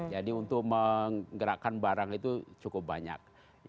jadi untuk menggerakkan barang itu cukup banyak